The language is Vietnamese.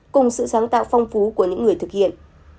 cùng sự sáng tạo phong phú của những người thực hiện